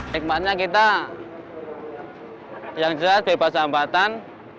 nikmatnya kita yang jelas bebas hambatan